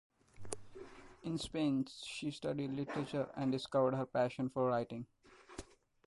In Spain she studied literature and discovered her passion for writing.